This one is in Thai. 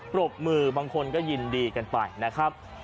ปรบมือบางคนก็ยินดีกันไปนะครับ